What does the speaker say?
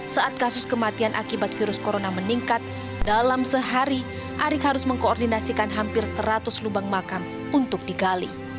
saat kasus kematian akibat virus corona meningkat dalam sehari arik harus mengkoordinasikan hampir seratus lubang makam untuk digali